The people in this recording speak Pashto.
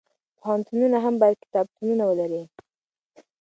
پوهنتونونه هم باید کتابتونونه ولري.